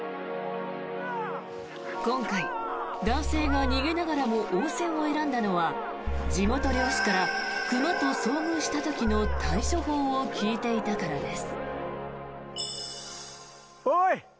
今回、男性が逃げながらも応戦を選んだのは地元猟師から熊と遭遇した時の対処法を聞いていたからです。